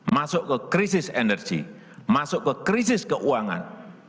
masuk ke krisis energi masuk ke krisis keuangan